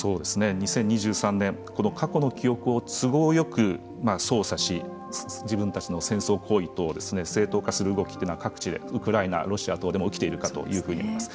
２０２３年過去の記憶を都合よく操作し自分たちの戦争行為等を正当化する動きというのは各地で、ウクライナ、ロシア等でも起きているかと思います。